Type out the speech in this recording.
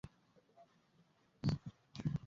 Ongeza supu iliyobaki na maji ili kupika mchanganyiko